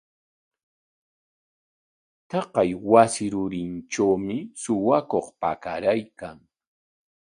Taqay wasi rurintrawmi suwakuq pakaraykan.